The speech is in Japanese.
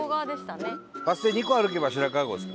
バス停２個歩けば白川郷です。